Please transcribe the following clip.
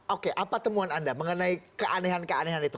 oke apa temuan anda mengenai keanehan keanehan itu